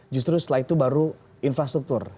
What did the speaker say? justru setelah itu baru infrastruktur